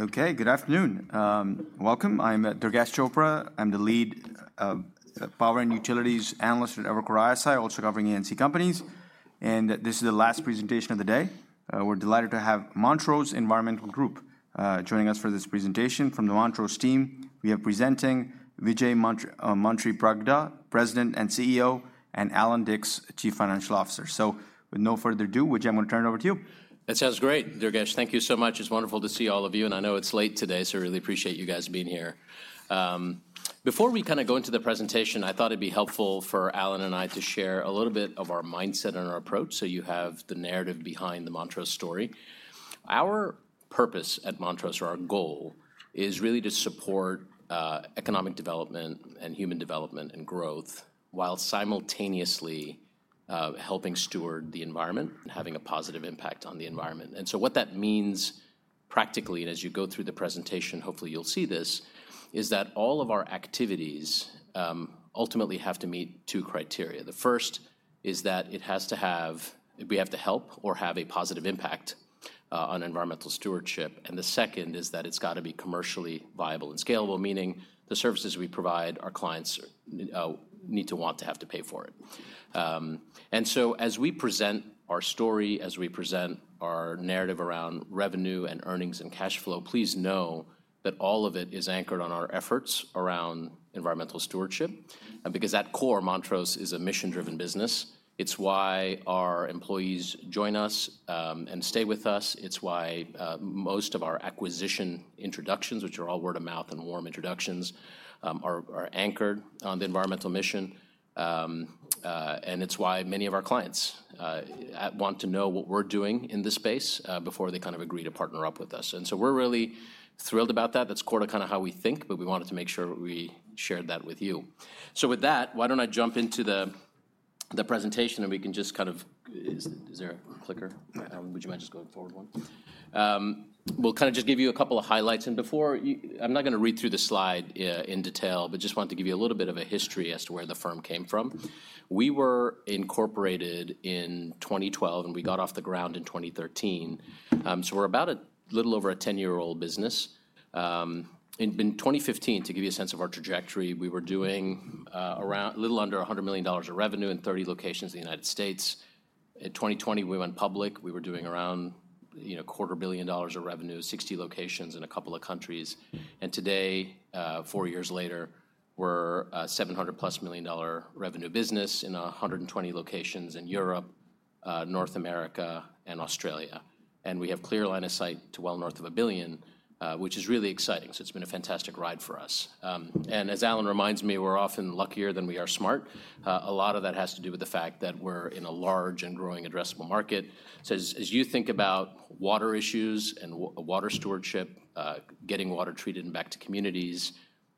Okay, good afternoon. Welcome, I'm Durgesh Chopra. I'm the lead power and utilities analyst at Evercore ISI, also covering E&C companies, and this is the last presentation of the day. We're delighted to have Montrose Environmental Group joining us for this presentation. From the Montrose team, we have presenting Vijay Manthripragada, President and CEO, and Allan Dicks, Chief Financial Officer. So with no further ado, Vijay, I'm going to turn it over to you. That sounds great, Durgesh. Thank you so much. It's wonderful to see all of you, and I know it's late today, so really appreciate you guys being here. Before we kind of go into the presentation, I thought it'd be helpful for Allan and I to share a little bit of our mindset and our approach, so you have the narrative behind the Montrose story. Our purpose at Montrose, or our goal, is really to support economic development and human development and growth, while simultaneously helping steward the environment and having a positive impact on the environment. So what that means practically, and as you go through the presentation, hopefully, you'll see this, is that all of our activities ultimately have to meet two criteria. The first is that it has to have we have to help or have a positive impact on environmental stewardship, and the second is that it's got to be commercially viable and scalable, meaning the services we provide our clients need to want to have to pay for it. And so as we present our story, as we present our narrative around revenue and earnings and cash flow, please know that all of it is anchored on our efforts around environmental stewardship. Because at core, Montrose is a mission-driven business. It's why our employees join us and stay with us. It's why most of our acquisition introductions, which are all word-of-mouth and warm introductions, are anchored on the environmental mission. It's why many of our clients want to know what we're doing in this space before they kind of agree to partner up with us. And so we're really thrilled about that. That's core to kind of how we think, but we wanted to make sure we shared that with you. So with that, why don't I jump into the presentation, and we can just kind of... Is there a clicker? Would you mind just going forward one? We'll kind of just give you a couple of highlights. And before you, I'm not going to read through the slide in detail, but just wanted to give you a little bit of a history as to where the firm came from. We were incorporated in 2012, and we got off the ground in 2013. So we're about a little over a 10-year-old business. In 2015, to give you a sense of our trajectory, we were doing around a little under $100 million of revenue in 30 locations in the United States. In 2020, we went public. We were doing around, you know, $250 million of revenue, 60 locations in a couple of countries. And today, four years later, we're a $700+ million revenue business in 120 locations in Europe, North America, and Australia. And we have clear line of sight to well north of $1 billion, which is really exciting, so it's been a fantastic ride for us. And as Allan reminds me, we're often luckier than we are smart. A lot of that has to do with the fact that we're in a large and growing addressable market. So as you think about water issues and water stewardship, getting water treated and back to communities,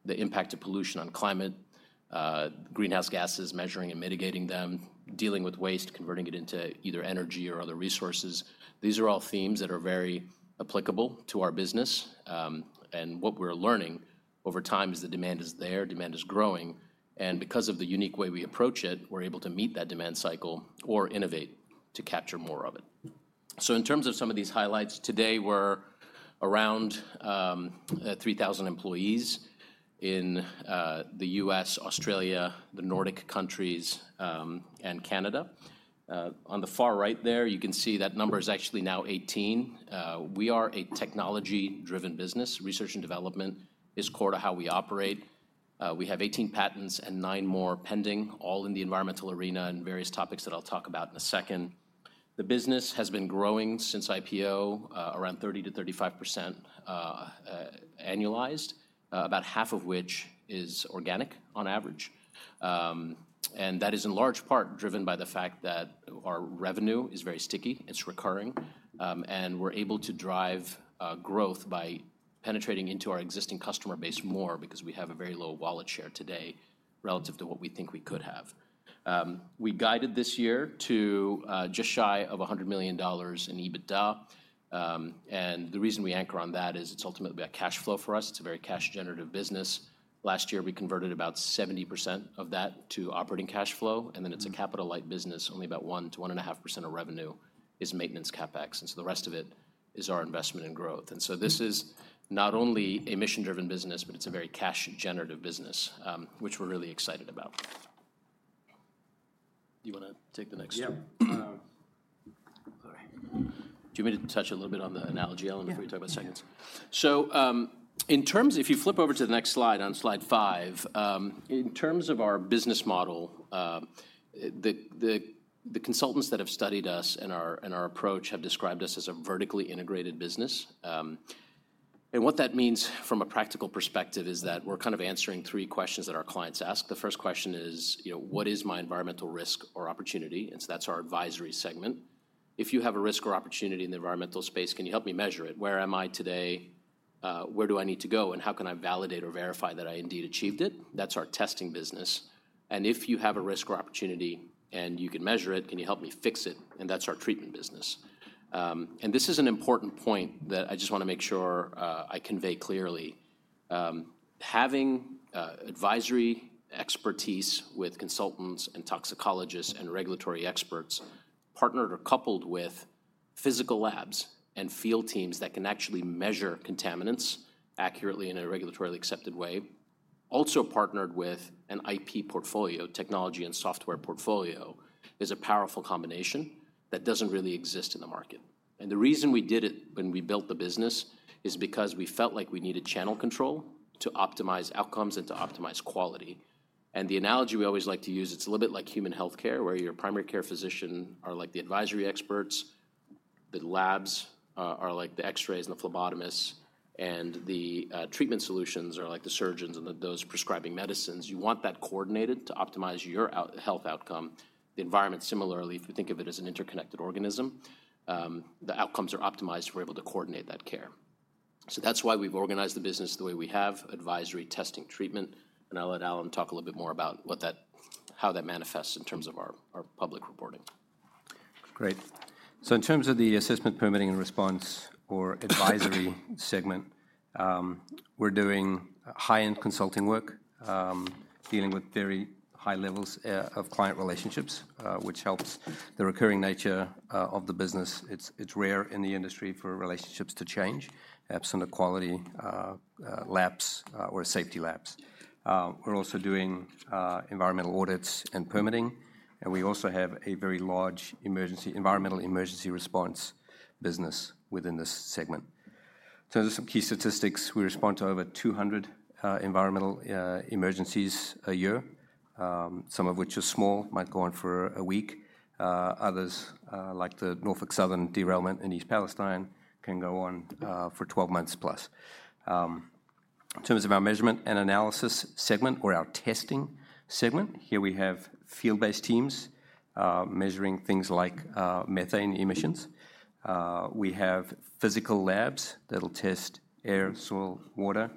the impact of pollution on climate, greenhouse gases, measuring and mitigating them, dealing with waste, converting it into either energy or other resources, these are all themes that are very applicable to our business. And what we're learning over time is the demand is there, demand is growing, and because of the unique way we approach it, we're able to meet that demand cycle or innovate to capture more of it. So in terms of some of these highlights, today we're around 3,000 employees in the U.S., Australia, the Nordic countries, and Canada. On the far right there, you can see that number is actually now 18. We are a technology-driven business. Research and development is core to how we operate. We have 18 patents and nine more pending, all in the environmental arena and various topics that I'll talk about in a second. The business has been growing since IPO, around 30%-35% annualized, about half of which is organic on average. And that is in large part driven by the fact that our revenue is very sticky, it's recurring, and we're able to drive growth by penetrating into our existing customer base more because we have a very low wallet share today relative to what we think we could have. We guided this year to just shy of $100 million in EBITDA, and the reason we anchor on that is it's ultimately about cash flow for us. It's a very cash-generative business. Last year, we converted about 70% of that to operating cash flow, and then it's a capital-light business. Only about 1%-1.5% of revenue is maintenance CapEx, and so the rest of it is our investment in growth. And so this is not only a mission-driven business, but it's a very cash-generative business, which we're really excited about. Do you want to take the next? Yep. All right. Do you want me to touch a little bit on the analogy element? Yeah Before we talk about segments So, if you flip over to the next slide, on slide five, in terms of our business model, the consultants that have studied us and our approach have described us as a vertically integrated business. And what that means from a practical perspective is that we're kind of answering three questions that our clients ask. The first question is, you know, "What is my environmental risk or opportunity?" And so that's our advisory segment. "If you have a risk or opportunity in the environmental space, can you help me measure it? Where am I today, where do I need to go, and how can I validate or verify that I indeed achieved it?" That's our testing business. If you have a risk or opportunity, and you can measure it, can you help me fix it?" That's our treatment business. This is an important point that I just want to make sure I convey clearly. Having advisory expertise with consultants and toxicologists and regulatory experts partnered or coupled with physical labs and field teams that can actually measure contaminants accurately in a regulatorily accepted way, also partnered with an IP portfolio, technology and software portfolio, is a powerful combination that doesn't really exist in the market. The reason we did it when we built the business is because we felt like we needed channel control to optimize outcomes and to optimize quality. The analogy we always like to use, it's a little bit like human healthcare, where your primary care physician are like the advisory experts, the labs are like the X-rays and the phlebotomists, and the treatment solutions are like the surgeons and those prescribing medicines. You want that coordinated to optimize your health outcome. The environment, similarly, if you think of it as an interconnected organism, the outcomes are optimized. We're able to coordinate that care. So that's why we've organized the business the way we have: advisory, testing, treatment. And I'll let Allan talk a little bit more about what that how that manifests in terms of our public reporting. Great. So in terms of the assessment, permitting, and response or advisory segment, we're doing high-end consulting work, dealing with very high levels of client relationships, which helps the recurring nature of the business. It's rare in the industry for relationships to change, absent a quality lapse or a safety lapse. We're also doing environmental audits and permitting, and we also have a very large environmental emergency response business within this segment. So there are some key statistics. We respond to over 200 environmental emergencies a year, some of which are small, might go on for a week. Others, like the Norfolk Southern derailment in East Palestine, can go on for 12 months plus. In terms of our measurement and analysis segment, or our testing segment, here we have field-based teams, measuring things like, methane emissions. We have physical labs that'll test air, soil, water,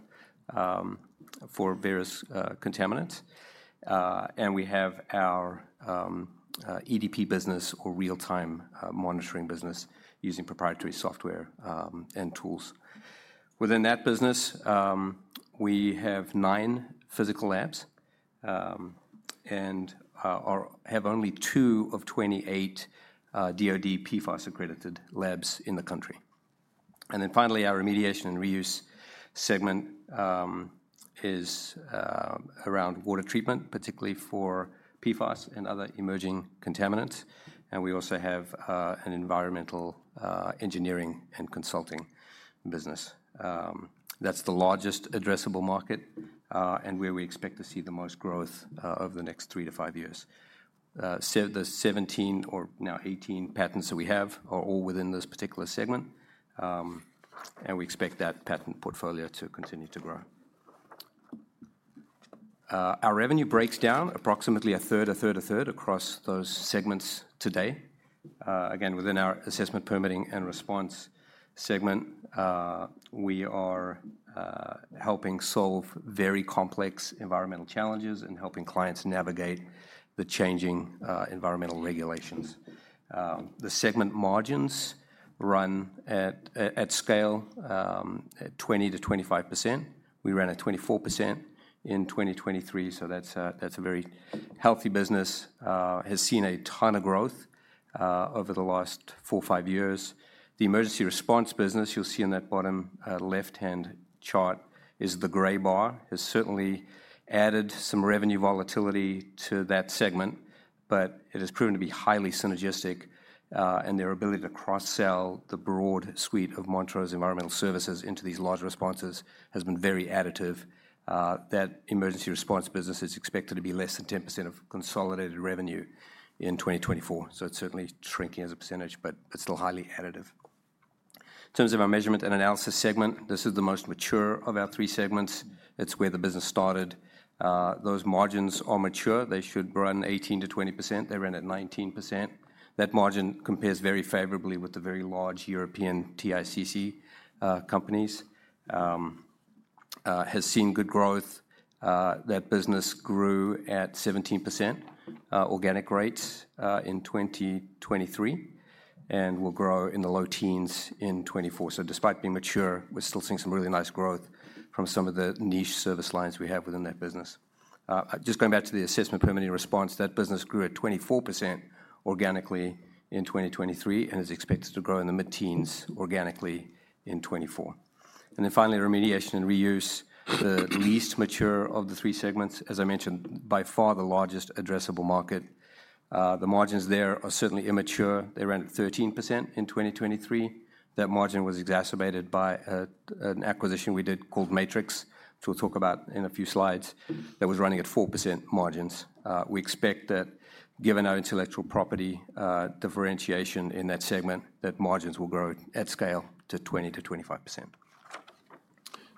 for various, contaminants. And we have our, EDP business or real-time, monitoring business using proprietary software, and tools. Within that business, we have nine physical labs, and, or have only two of 28, DOD PFAS-accredited labs in the country. And then finally, our remediation and reuse segment, is, around water treatment, particularly for PFAS and other emerging contaminants, and we also have, an environmental, engineering and consulting business. That's the largest addressable market, and where we expect to see the most growth, over the next three to five years. The 17 or now 18 patents that we have are all within this particular segment, and we expect that patent portfolio to continue to grow. Our revenue breaks down approximately a third across those segments today. Again, within our assessment, permitting, and response segment, we are helping solve very complex environmental challenges and helping clients navigate the changing environmental regulations. The segment margins run at scale at 20%-25%. We ran at 24% in 2023, so that's a very healthy business, has seen a ton of growth over the last four or five years. The emergency response business, you'll see in that bottom, left-hand chart, is the gray bar, has certainly added some revenue volatility to that segment, but it has proven to be highly synergistic, in their ability to cross-sell the broad suite of Montrose environmental services into these large responses has been very additive. That emergency response business is expected to be less than 10% of consolidated revenue in 2024, so it's certainly shrinking as a percentage, but it's still highly additive. In terms of our measurement and analysis segment, this is the most mature of our three segments. It's where the business started. Those margins are mature. They should run 18%-20%. They ran at 19%. That margin compares very favorably with the very large European TICC companies, has seen good growth. That business grew at 17%, organic rates, in 2023 and will grow in the low teens in 2024. So despite being mature, we're still seeing some really nice growth from some of the niche service lines we have within that business. Just going back to the assessment, permitting, and response, that business grew at 24% organically in 2023 and is expected to grow in the mid-teens organically in 2024. And then finally, remediation and reuse, the least mature of the three segments, as I mentioned, by far the largest addressable market. The margins there are certainly immature. They ran at 13% in 2023. That margin was exacerbated by an acquisition we did called Matrix, which we'll talk about in a few slides, that was running at 4% margins. We expect that given our intellectual property, differentiation in that segment, that margins will grow at scale to 20%-25%.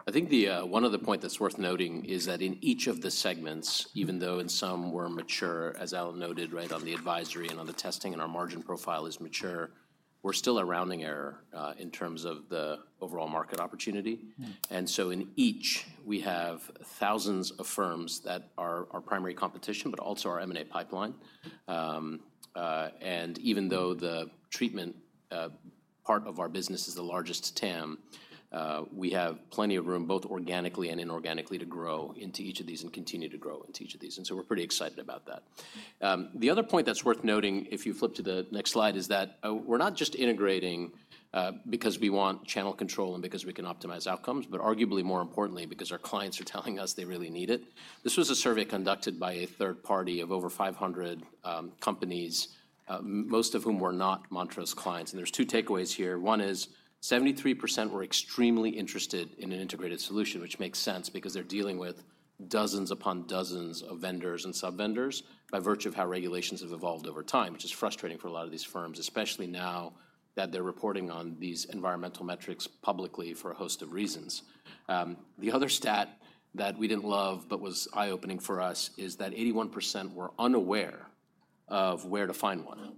I think the one other point that's worth noting is that in each of the segments, even though in some were mature, as Allan noted, right on the advisory and on the testing and our margin profile is mature, we're still a rounding error, in terms of the overall market opportunity. In each, we have thousands of firms that are our primary competition, but also our M&A pipeline. Even though the treatment part of our business is the largest TAM. We have plenty of room, both organically and inorganically, to grow into each of these and continue to grow into each of these, and so we're pretty excited about that. The other point that's worth noting, if you flip to the next slide, is that, we're not just integrating, because we want channel control and because we can optimize outcomes, but arguably more importantly, because our clients are telling us they really need it. This was a survey conducted by a third party of over 500 companies, most of whom were not Montrose's clients, and there's two takeaways here. One is 73% were extremely interested in an integrated solution, which makes sense because they're dealing with dozens upon dozens of vendors and sub-vendors by virtue of how regulations have evolved over time, which is frustrating for a lot of these firms, especially now that they're reporting on these environmental metrics publicly for a host of reasons. The other stat that we didn't love, but was eye-opening for us, is that 81% were unaware of where to find one.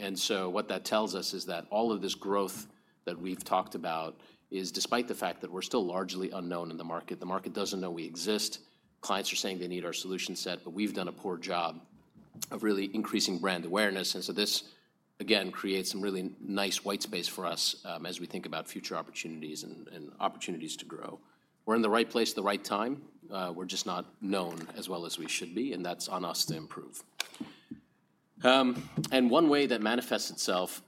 And so what that tells us is that all of this growth that we've talked about is despite the fact that we're still largely unknown in the market. The market doesn't know we exist. Clients are saying they need our solution set, but we've done a poor job of really increasing brand awareness, and so this, again, creates some really nice white space for us, as we think about future opportunities and opportunities to grow. We're in the right place at the right time. We're just not known as well as we should be, and that's on us to improve. One way that manifests itself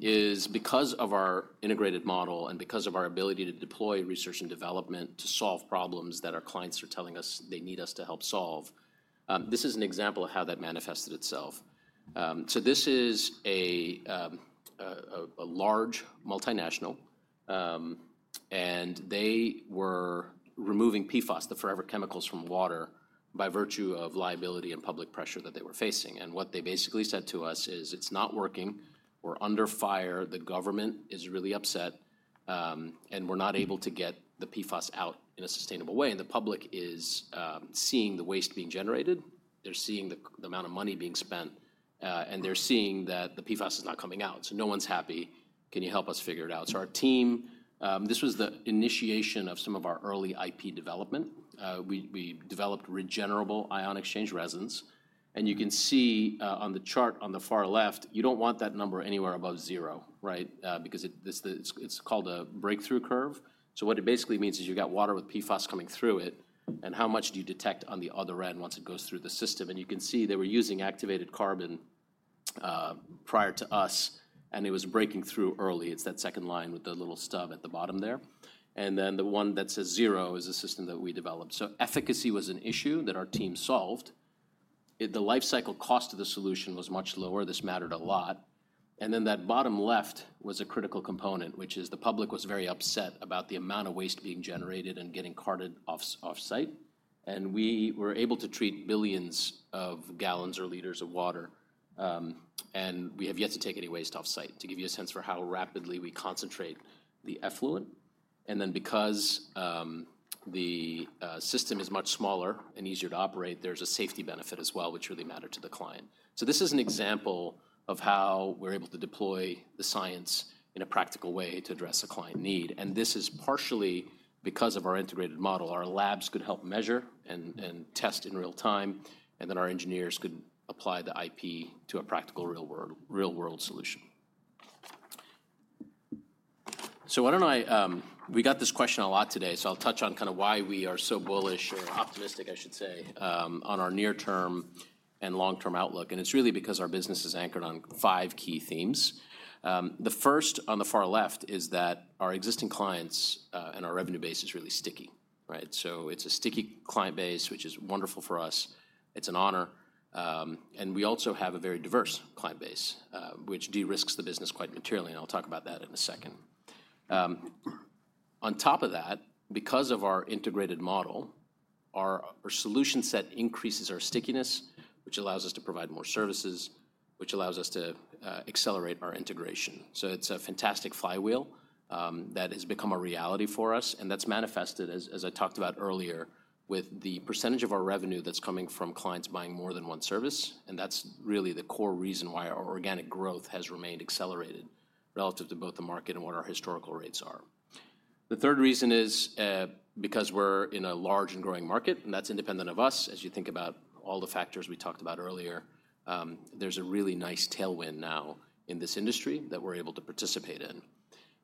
is because of our integrated model and because of our ability to deploy research and development to solve problems that our clients are telling us they need us to help solve. This is an example of how that manifested itself. So this is a large multinational, and they were removing PFAS, the forever chemicals from water, by virtue of liability and public pressure that they were facing. And what they basically said to us is, "It's not working. We're under fire. The government is really upset, and we're not able to get the PFAS out in a sustainable way. And the public is seeing the waste being generated, they're seeing the amount of money being spent, and they're seeing that the PFAS is not coming out. So no one's happy. Can you help us figure it out?" So our team, this was the initiation of some of our early IP development. We developed regenerable ion exchange resins, and you can see on the chart on the far left, you don't want that number anywhere above zero, right? Because it's called a breakthrough curve. So what it basically means is you've got water with PFAS coming through it, and how much do you detect on the other end once it goes through the system? You can see they were using activated carbon prior to us, and it was breaking through early. It's that second line with the little stub at the bottom there. Then the one that says zero is a system that we developed. So efficacy was an issue that our team solved. The life cycle cost of the solution was much lower. This mattered a lot. Then that bottom left was a critical component, which is the public was very upset about the amount of waste being generated and getting carted offsite, and we were able to treat billions of gallons or liters of water, and we have yet to take any waste offsite, to give you a sense for how rapidly we concentrate the effluent. Then because the system is much smaller and easier to operate, there's a safety benefit as well, which really mattered to the client. So this is an example of how we're able to deploy the science in a practical way to address a client need, and this is partially because of our integrated model. Our labs could help measure and test in real time, and then our engineers could apply the IP to a practical, real world, real-world solution. We got this question a lot today, so I'll touch on kinda why we are so bullish or optimistic, I should say, on our near-term and long-term outlook, and it's really because our business is anchored on five key themes. The first, on the far left, is that our existing clients and our revenue base is really sticky, right? So it's a sticky client base, which is wonderful for us. It's an honor, and we also have a very diverse client base, which de-risks the business quite materially, and I'll talk about that in a second. On top of that, because of our integrated model, our solution set increases our stickiness, which allows us to provide more services, which allows us to accelerate our integration. It's a fantastic flywheel that has become a reality for us, and that's manifested as, as I talked about earlier, with the percentage of our revenue that's coming from clients buying more than one service, and that's really the core reason why our organic growth has remained accelerated relative to both the market and what our historical rates are. The third reason is because we're in a large and growing market, and that's independent of us. As you think about all the factors we talked about earlier, there's a really nice tailwind now in this industry that we're able to participate in.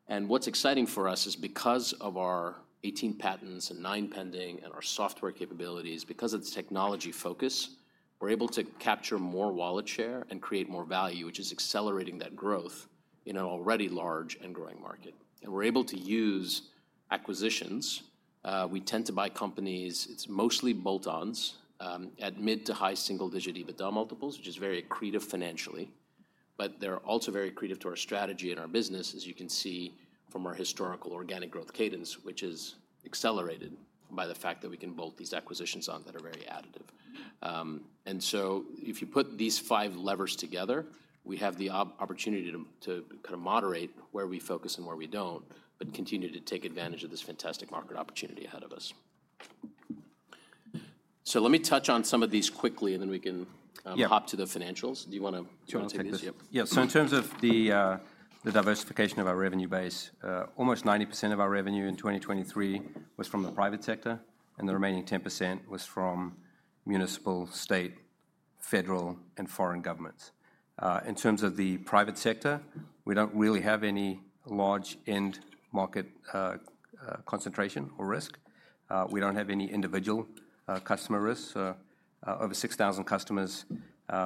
And what's exciting for us is, because of our 18 patents and nine pending and our software capabilities, because of this technology focus, we're able to capture more wallet share and create more value, which is accelerating that growth in an already large and growing market. And we're able to use acquisitions. We tend to buy companies, it's mostly bolt-ons, at mid to high single-digit EBITDA multiples, which is very accretive financially. But they're also very accretive to our strategy and our business, as you can see from our historical organic growth cadence, which is accelerated by the fact that we can bolt these acquisitions on that are very additive. And so if you put these five levers together, we have the opportunity to moderate where we focus and where we don't, but continue to take advantage of this fantastic market opportunity ahead of us. So let me touch on some of these quickly, and then we can- Yeah .hop to the financials. Do you wanna- Do you wanna take this? Yeah. Yeah. So in terms of the diversification of our revenue base, almost 90% of our revenue in 2023 was from the private sector, and the remaining 10% was from municipal, State, Federal and Foreign governments. In terms of the private sector, we don't really have any large end market concentration or risk. We don't have any individual customer risks over 6,000 customers. And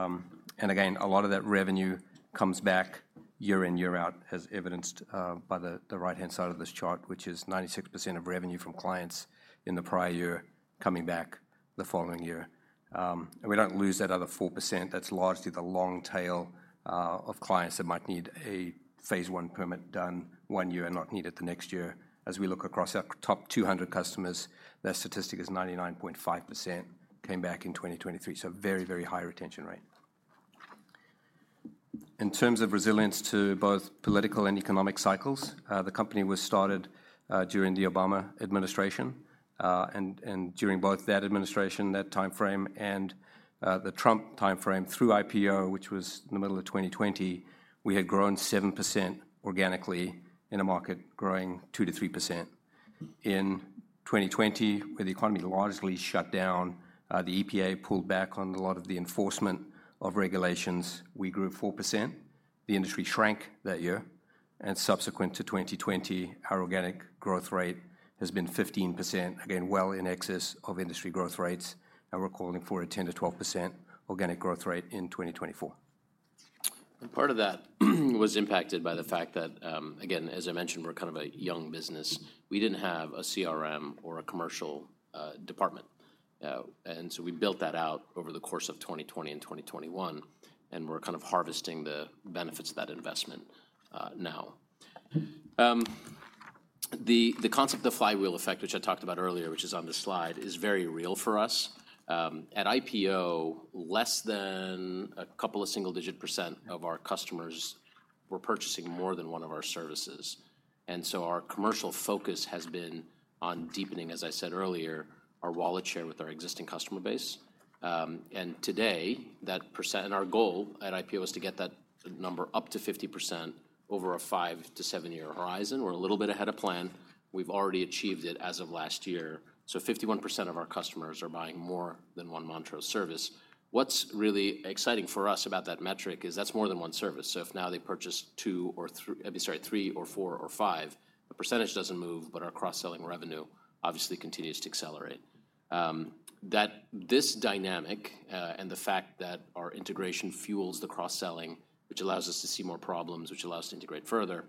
again, a lot of that revenue comes back year in, year out, as evidenced by the right-hand side of this chart, which is 96% of revenue from clients in the prior year coming back the following year. And we don't lose that other 4%. That's largely the long tail of clients that might need a phase I permit done one year and not need it the next year. As we look across our top 200 customers, that statistic is 99.5% came back in 2023, so very, very high retention rate. In terms of resilience to both political and economic cycles, the company was started during the Obama administration. During both that administration, that timeframe, and the Trump timeframe through IPO, which was in the middle of 2020, we had grown 7% organically in a market growing 2%-3%. In 2020, where the economy largely shut down, the EPA pulled back on a lot of the enforcement of regulations. We grew 4%. The industry shrank that year, and subsequent to 2020, our organic growth rate has been 15%. Again, well in excess of industry growth rates, and we're calling for a 10%-12% organic growth rate in 2024. Part of that was impacted by the fact that, again, as I mentioned, we're kind of a young business. We didn't have a CRM or a commercial department. And so we built that out over the course of 2020 and 2021, and we're kind of harvesting the benefits of that investment now. The concept of flywheel effect, which I talked about earlier, which is on this slide, is very real for us. At IPO, less than a couple of single-digit % of our customers were purchasing more than one of our services. And so our commercial focus has been on deepening, as I said earlier, our wallet share with our existing customer base. And today, that percent and our goal at IPO is to get that number up to 50% over a five-seven-year horizon. We're a little bit ahead of plan. We've already achieved it as of last year. So 51% of our customers are buying more than one Montrose service. What's really exciting for us about that metric is that's more than one service. So if now they purchase two or three or four or five, the percentage doesn't move, but our cross-selling revenue obviously continues to accelerate. That this dynamic and the fact that our integration fuels the cross-selling, which allows us to see more problems, which allows us to integrate further,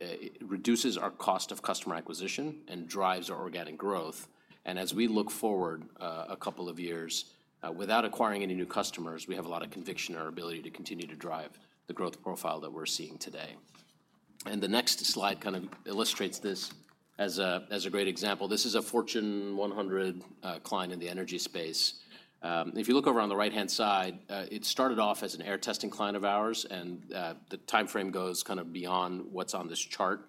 it reduces our cost of customer acquisition and drives our organic growth. And as we look forward, a couple of years, without acquiring any new customers, we have a lot of conviction in our ability to continue to drive the growth profile that we're seeing today. The next slide kind of illustrates this as a great example. This is a Fortune 100 client in the energy space. If you look over on the right-hand side, it started off as an air testing client of ours, and the timeframe goes kind of beyond what's on this chart,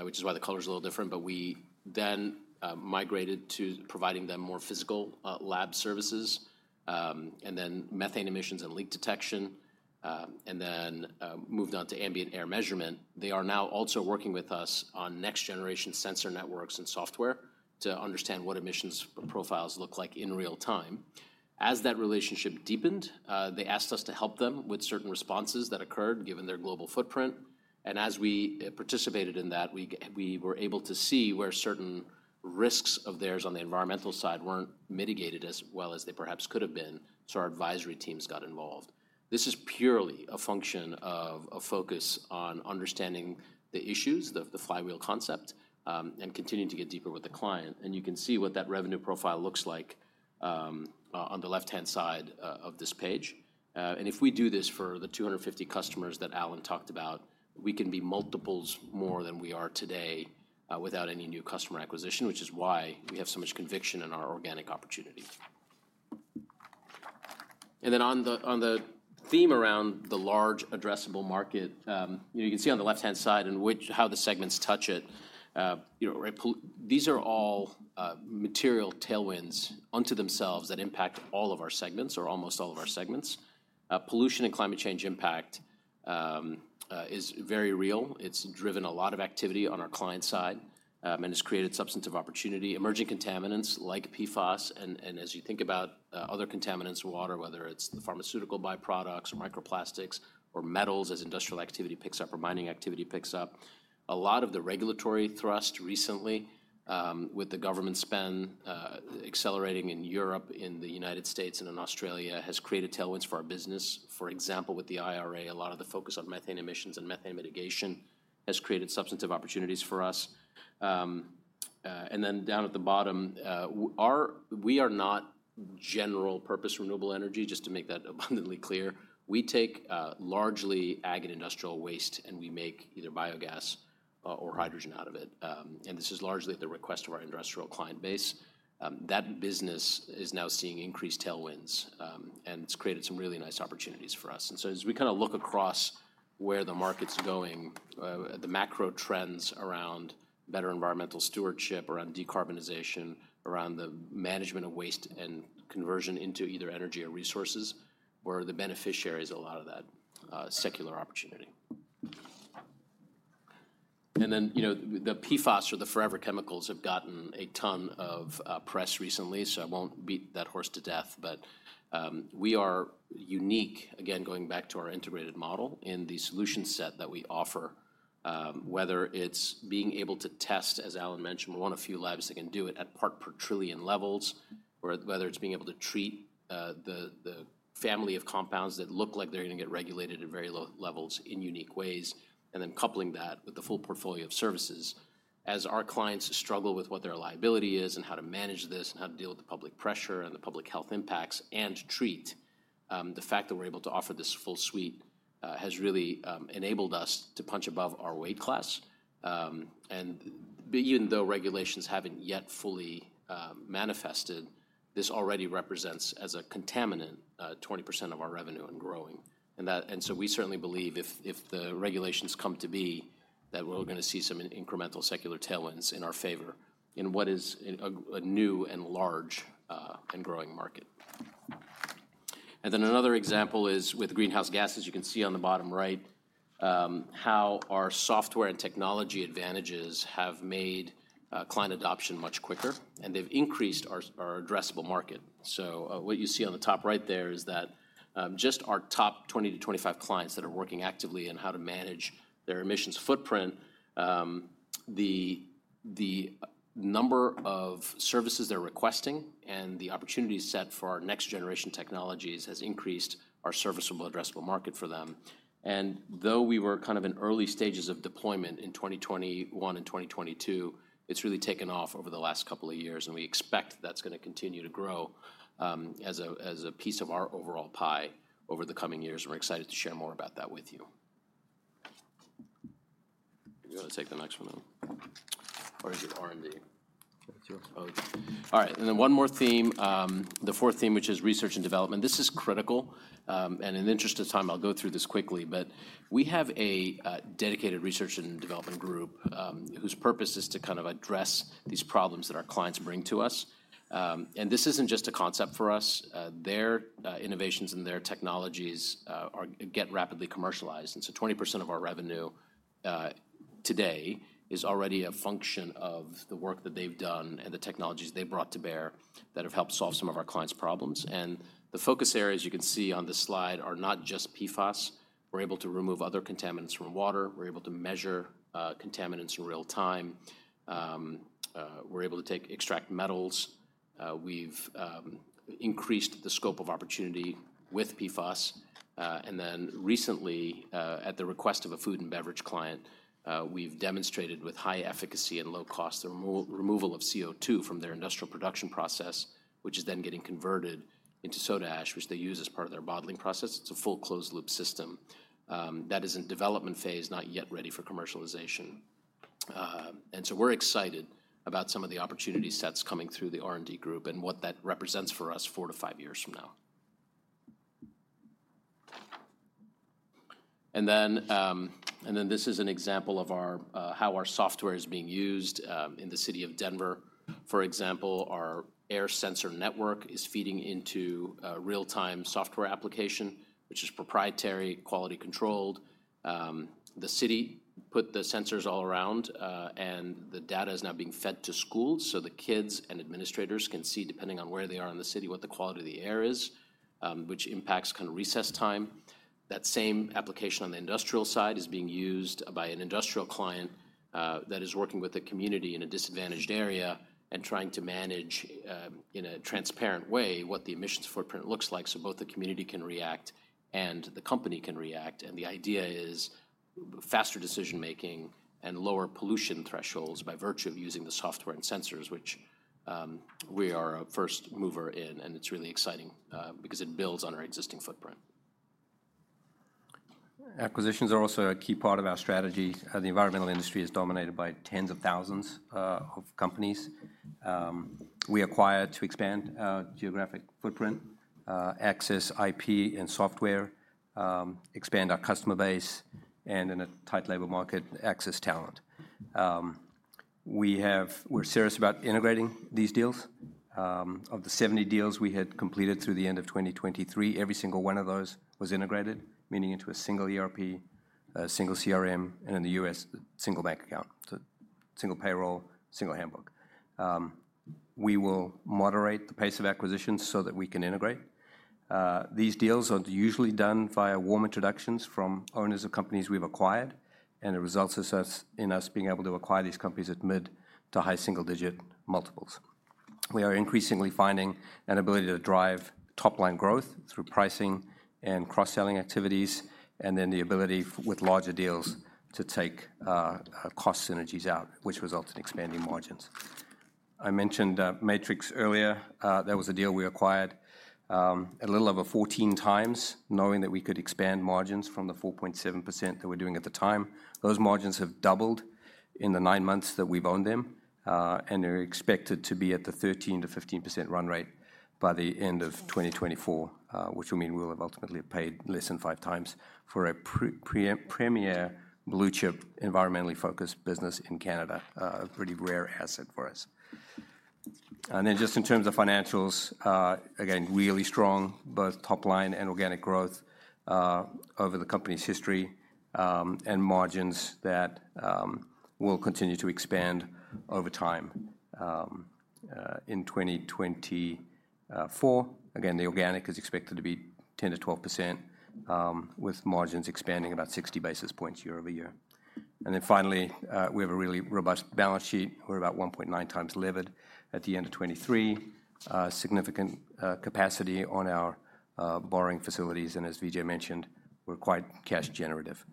which is why the color is a little different. But we then migrated to providing them more physical lab services, and then methane emissions and leak detection, and then moved on to ambient air measurement. They are now also working with us on next-generation sensor networks and software to understand what emissions profiles look like in real time. As that relationship deepened, they asked us to help them with certain responses that occurred, given their global footprint. As we participated in that, we were able to see where certain risks of theirs on the environmental side weren't mitigated as well as they perhaps could have been, so our advisory teams got involved. This is purely a function of a focus on understanding the issues, the flywheel concept, and continuing to get deeper with the client. You can see what that revenue profile looks like on the left-hand side of this page. If we do this for the 250 customers that Allan talked about, we can be multiples more than we are today without any new customer acquisition, which is why we have so much conviction in our organic opportunity. And then on the theme around the large addressable market, you know, you can see on the left-hand side in which, how the segments touch it. You know, these are all material tailwinds unto themselves that impact all of our segments or almost all of our segments. Pollution and climate change impact is very real. It's driven a lot of activity on our client side, and it's created substantive opportunity. Emerging contaminants like PFAS, and as you think about other contaminants in water, whether it's the pharmaceutical byproducts or microplastics or metals, as industrial activity picks up or mining activity picks up. A lot of the regulatory thrust recently, with the government spend accelerating in Europe, in the United States, and in Australia, has created tailwinds for our business. For example, with the IRA, a lot of the focus on methane emissions and methane mitigation has created substantive opportunities for us. And then down at the bottom, we are not general-purpose renewable energy, just to make that abundantly clear. We take largely ag and industrial waste, and we make either biogas or hydrogen out of it. And this is largely at the request of our industrial client base. That business is now seeing increased tailwinds, and it's created some really nice opportunities for us. And so as we kinda look across where the market's going, the macro trends around better environmental stewardship, around decarbonization, around the management of waste and conversion into either energy or resources, we're the beneficiaries of a lot of that secular opportunity. And then, you know, the PFAS or the forever chemicals have gotten a ton of press recently, so I won't beat that horse to death. But we are unique, again, going back to our integrated model and the solution set that we offer, whether it's being able to test, as Allan mentioned, we're one of few labs that can do it at part per trillion levels, or whether it's being able to treat the family of compounds that look like they're gonna get regulated at very low levels in unique ways, and then coupling that with the full portfolio of services. As our clients struggle with what their liability is, and how to manage this, and how to deal with the public pressure and the public health impacts and treat, the fact that we're able to offer this full suite, has really, enabled us to punch above our weight class. But even though regulations haven't yet fully, manifested, this already represents, as a contaminant, 20% of our revenue and growing. And so we certainly believe if, if the regulations come to be, that we're gonna see some incremental secular tailwinds in our favor in what is a new and large, and growing market. And then another example is with greenhouse gases. You can see on the bottom right, how our software and technology advantages have made client adoption much quicker, and they've increased our addressable market. So, what you see on the top right there is that, just our top 20-25 clients that are working actively on how to manage their emissions footprint, the number of services they're requesting and the opportunity set for our next generation technologies has increased our serviceable addressable market for them. And though we were kind of in early stages of deployment in 2021 and 2022, it's really taken off over the last couple of years, and we expect that's gonna continue to grow, as a piece of our overall pie over the coming years, and we're excited to share more about that with you. If you wanna take the next one then, or is it R&D? Oh. All right, and then one more theme, the fourth theme, which is research and development. This is critical, and in the interest of time, I'll go through this quickly. But we have a dedicated research and development group, whose purpose is to kind of address these problems that our clients bring to us. And this isn't just a concept for us. Their innovations and their technologies get rapidly commercialized. And so 20% of our revenue today is already a function of the work that they've done and the technologies they've brought to bear that have helped solve some of our clients' problems. And the focus areas you can see on this slide are not just PFAS. We're able to remove other contaminants from water. We're able to measure contaminants in real time. We're able to extract metals. We've increased the scope of opportunity with PFAS. And then recently, at the request of a food and beverage client, we've demonstrated with high efficacy and low cost, the removal of CO2 from their industrial production process, which is then getting converted into soda ash, which they use as part of their bottling process. It's a full closed-loop system. That is in development phase, not yet ready for commercialization. And so we're excited about some of the opportunity sets coming through the R&D group and what that represents for us four to five years from now. And then this is an example of our how our software is being used in the city of Denver. For example, our air sensor network is feeding into a real-time software application, which is proprietary, quality controlled. The city put the sensors all around, and the data is now being fed to schools, so the kids and administrators can see, depending on where they are in the city, what the quality of the air is, which impacts kind of recess time. That same application on the industrial side is being used by an industrial client, that is working with the community in a disadvantaged area and trying to manage, in a transparent way, what the emissions footprint looks like, so both the community can react and the company can react. The idea is faster decision-making and lower pollution thresholds by virtue of using the software and sensors, which we are a first mover in, and it's really exciting because it builds on our existing footprint. Acquisitions are also a key part of our strategy. The environmental industry is dominated by tens of thousands of companies. We acquire to expand our geographic footprint, access IP and software, expand our customer base, and in a tight labor market, access talent. We're serious about integrating these deals. Of the 70 deals we had completed through the end of 2023, every single one of those was integrated, meaning into a single ERP, a single CRM, and in the U.S., a single bank account. So single payroll, single handbook. We will moderate the pace of acquisitions so that we can integrate. These deals are usually done via warm introductions from owners of companies we've acquired, and it results in us being able to acquire these companies at mid- to high single-digit multiples. We are increasingly finding an ability to drive top-line growth through pricing and cross-selling activities, and then the ability with larger deals, to take, cost synergies out, which results in expanding margins. I mentioned, Matrix earlier. That was a deal we acquired, at a little over 14x, knowing that we could expand margins from the 4.7% that we're doing at the time. Those margins have doubled in the nine months that we've owned them, and they're expected to be at the 13%-15% run rate by the end of 2024, which will mean we'll have ultimately paid less than 5x for a premier blue-chip, environmentally focused business in Canada, a pretty rare asset for us. And then just in terms of financials, again, really strong, both top line and organic growth, over the company's history, and margins that will continue to expand over time. In 2024, again, the organic is expected to be 10%-12%, with margins expanding about 60 basis points year-over-year. And then finally, we have a really robust balance sheet. We're about 1.9x levered at the end of 2023. Significant capacity on our borrowing facilities, and as Vijay mentioned, we're quite cash generative.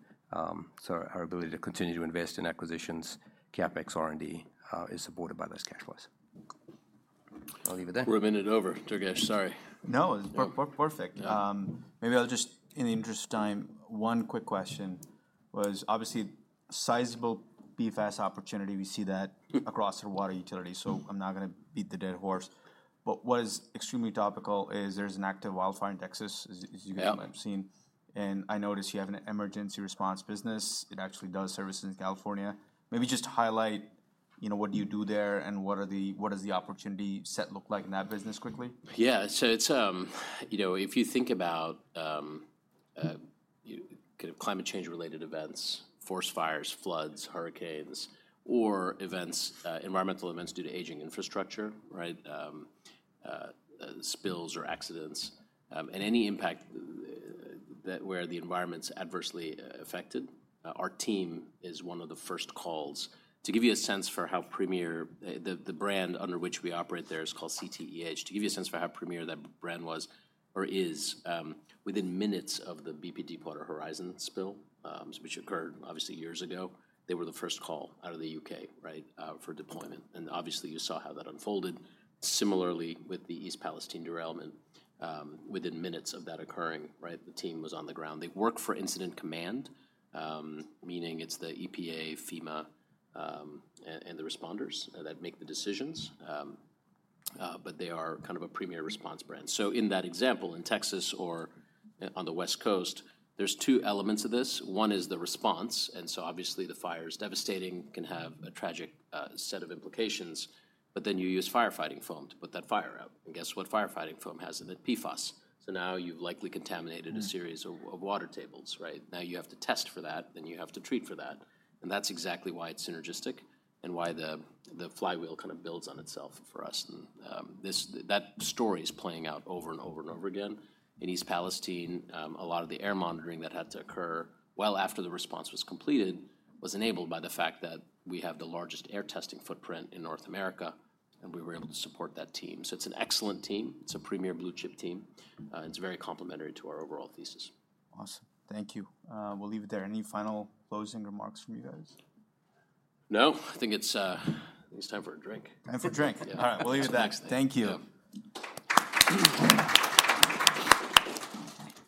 So our ability to continue to invest in acquisitions, CapEx, R&D, is supported by this cash flow. I'll leave it there. We're a minute over, Durgesh, sorry. No, it's perfect. Yeah. Maybe I'll just, in the interest of time, one quick question, was obviously sizable PFAS opportunity, we see that across the water utility, so I'm not gonna beat the dead horse. But what is extremely topical is there's an active wildfire in Texas, as you guys have seen. Yeah. I noticed you have an emergency response business. It actually does services in California. Maybe just highlight, you know, what do you do there, and what does the opportunity set look like in that business quickly? Yeah. So it's, you know, if you think about, kind of climate change-related events, forest fires, floods, hurricanes, or events, environmental events due to aging infrastructure, right? Spills or accidents, and any impact that where the environment's adversely affected, our team is one of the first calls. To give you a sense for how premier, the, the brand under which we operate there is called CTEH. To give you a sense for how premier that brand was or is, within minutes of the BP Deepwater Horizon spill, which occurred obviously years ago, they were the first call out of the U.K., right, for deployment, and obviously, you saw how that unfolded. Similarly, with the East Palestine derailment, within minutes of that occurring, right, the team was on the ground. They work for Incident Command, meaning it's the EPA, FEMA, and the responders that make the decisions. But they are kind of a premier response brand. So in that example, in Texas or on the West Coast, there's two elements of this. One is the response, and so obviously, the fire is devastating, can have a tragic set of implications, but then you use firefighting foam to put that fire out. And guess what firefighting foam has in it? PFAS. So now you've likely contaminated a series of water tables, right? Now, you have to test for that, then you have to treat for that, and that's exactly why it's synergistic and why the flywheel kind of builds on itself for us. And that story is playing out over and over and over again. In East Palestine, a lot of the air monitoring that had to occur well after the response was completed, was enabled by the fact that we have the largest air testing footprint in North America, and we were able to support that team. So it's an excellent team. It's a premier blue-chip team, and it's very complementary to our overall thesis. Awesome. Thank you. We'll leave it there. Any final closing remarks from you guys? No. I think it's time for a drink. Time for a drink. Yeah. All right, we'll leave it there. Next thing. Thank you. Yeah.